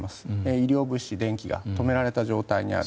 医療物資、電気が止められた状態にある。